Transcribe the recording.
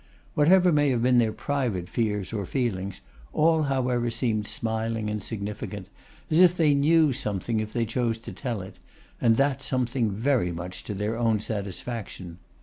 Whatever may have been their private fears or feelings, all however seemed smiling and significant, as if they knew something if they chose to tell it, and that something very much to their own satisfaction.